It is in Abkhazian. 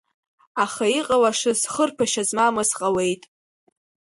Аха иҟалашаз, хырԥашьа змамыз ҟалеит.